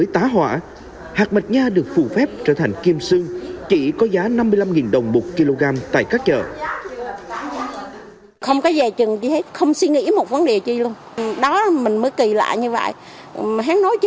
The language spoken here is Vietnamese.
tá hỏa hạt mật nha được phụ phép trở thành kim xương chỉ có giá năm mươi năm đồng một kg tại các chợ